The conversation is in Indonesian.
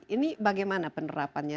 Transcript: ini bagaimana penerapannya